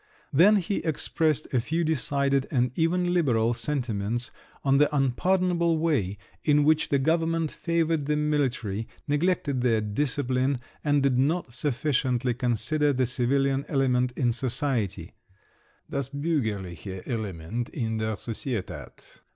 Then he expressed a few decided and even liberal sentiments on the unpardonable way in which the government favoured the military, neglected their discipline, and did not sufficiently consider the civilian element in society (das bürgerliche Element in der Societät!)